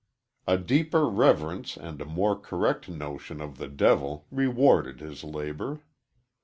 A deeper reverence and a more correct notion of the devil rewarded his labor.